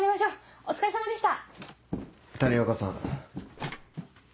お疲れさまでした。